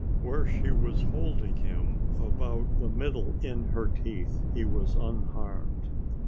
Where she was holding him about the middle in her teeth, he was unharmed.